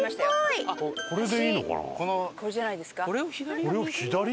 これじゃないですか？